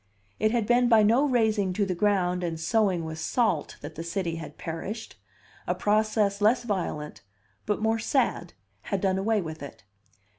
It had been by no razing to the ground and sowing with salt that the city had perished; a process less violent but more sad had done away with it.